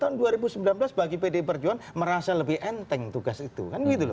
tahun dua ribu sembilan belas bagi pdi perjuangan merasa lebih enteng tugas itu